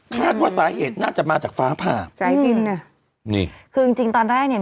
คาดว่าสาเหตุน่าจะมาจากฟ้าผ่าใจจริงน่ะนี่คือจริงจริงตอนแรกเนี้ย